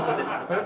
えっ？